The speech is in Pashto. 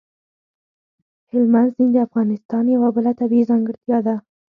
هلمند سیند د افغانستان یوه بله طبیعي ځانګړتیا ده.